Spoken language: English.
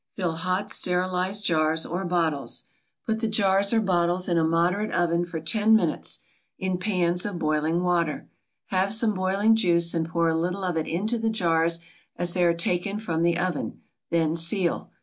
Fill hot sterilized jars or bottles. Put the jars or bottles in a moderate oven for ten minutes, in pans of boiling water. Have some boiling juice and pour a little of it into the jars as they are taken from the oven; then seal.